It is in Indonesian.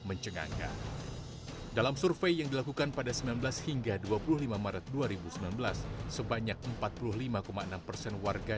mencengangkan dalam survei yang dilakukan pada sembilan belas hingga dua puluh lima maret dua ribu sembilan belas sebanyak empat puluh lima enam persen warga